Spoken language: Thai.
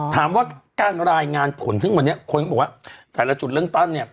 ถามว่าการรายงานผลซึ่งวันนี้ครับผมแต่ละจุดเลือกตั้งเนี่ย